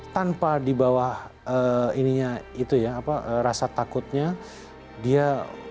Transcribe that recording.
tanpa dibawah ininya itu ya apa rasa takutnya dia